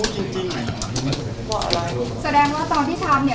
ตั้งใจทำใช่ไหมครับ